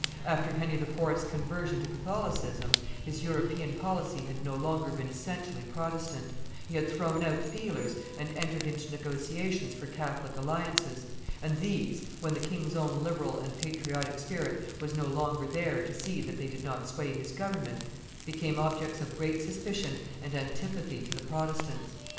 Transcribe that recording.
After Henry IV.'s conversion to Catholicism, his European policy had no longer been essentially Protestant; he had thrown out feelers and entered into negotiations for Catholic alliances; and these, when the king's own liberal and patriotic spirit was no longer there to see that they did not sway his government, became objects of great suspicion and antipathy to the Protestants.